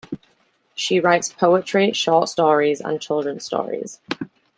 She writes poetry, short-stories and children's stories.